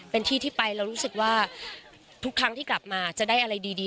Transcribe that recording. เป็นที่ที่ไปเรารู้สึกว่าทุกครั้งที่กลับมาจะได้อะไรดี